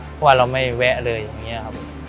เพราะว่าเราไม่แวะเลยอย่างนี้ครับ